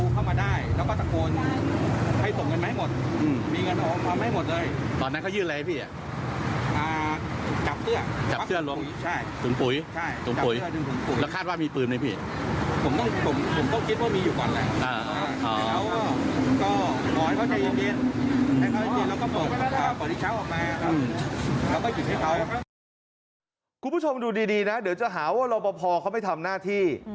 คุณผู้ชมดูดีนะเดี๋ยวจะหาว่ารอบพอเขาไปทำหน้าที่